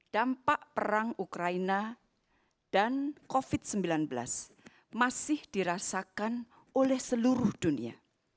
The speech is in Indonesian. dua ribu dua puluh tiga dampak perang ukraina dan covid sembilan belas masih dirasakan oleh seluruh dunia